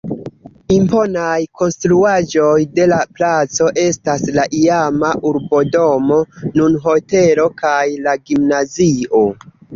Imponaj konstruaĵoj de la placo estas la iama urbodomo, nun hotelo kaj la gimnazio.